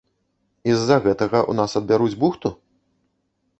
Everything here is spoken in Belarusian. І з-за гэтага ў нас адбяруць бухту?